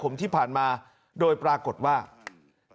คุณสิริกัญญาบอกว่า๖๔เสียง